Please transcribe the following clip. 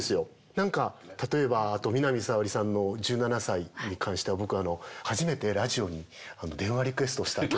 何か例えばあと南沙織さんの「１７才」に関しては僕初めてラジオに電話リクエストをした曲なんですけど。